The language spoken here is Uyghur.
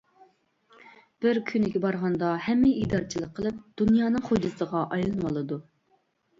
بىر كۈنىگە بارغاندا ھەممىگە ئىگىدارچىلىق قىلىپ دۇنيانىڭ خوجىسىغا ئايلىنىۋالىدۇ.